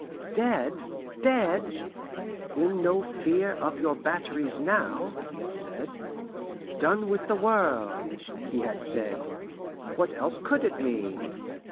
dead! dead! "In no fear of your batteries now," he had said. "Done with the world!" he had said. What else could it mean?